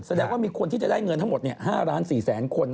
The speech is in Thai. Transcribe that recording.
แสดงว่ามีคนที่จะได้เงินทั้งหมด๕๔๐๐๐คน